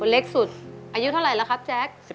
เล็กสุดอายุเท่าไหร่แล้วครับแจ๊ค